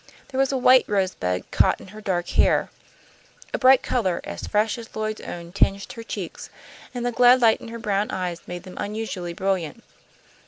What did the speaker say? There was a white rosebud caught in her dark hair. A bright colour, as fresh as Lloyd's own, tinged her cheeks, and the glad light in her brown eyes made them unusually brilliant.